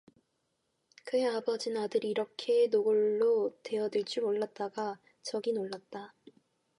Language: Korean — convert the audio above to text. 그의 아버지는 아들이 이렇게까지 노골로 대어 들 줄은 몰랐다가 적이 놀랐다.